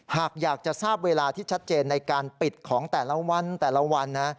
หากอยากจะทราบเวลาที่ชัดเจนในการปิดของแต่ละวันแต่ละวันนะ